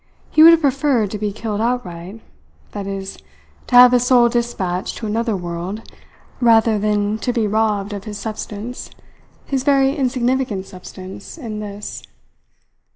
He would have preferred to be killed outright that is, to have his soul dispatched to another world, rather than to be robbed of his substance, his very insignificant substance, in this.